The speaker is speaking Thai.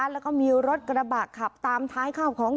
แล้วก็มีรถกระบะขับตามท้ายข้าวของ